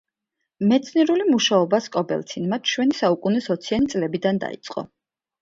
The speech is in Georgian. მეცნიერული მუშაობა სკობელცინმა ჩვენი საუკუნის ოციანი წლებიდან დაიწყო.